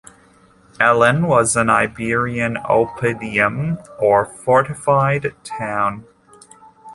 Elne was an Iberian "oppidum" or fortified town.